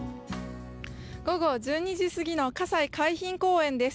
午後１２時すぎの葛西海浜公園です。